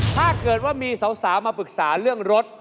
ถ้าเกิดว่ามีสาวมาปรึกษาเรื่องรถ